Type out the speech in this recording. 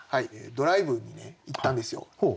ドライブに行ったんですよ。